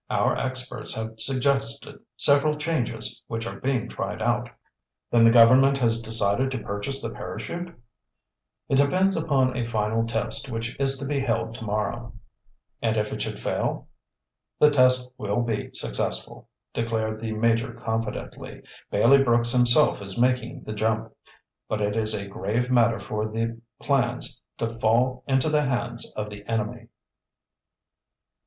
Our experts have suggested several changes which are being tried out." "Then the government has decided to purchase the parachute?" "It depends upon a final test which is to be held tomorrow." "And if it should fail?" "The test will be successful," declared the Major confidently. "Bailey Brooks himself is making the jump. But it is a grave matter for the plans to fall into the hands of the enemy."